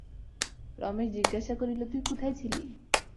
রমেশ জিজ্ঞাসা করিল, তুই কোথায় ছিলি?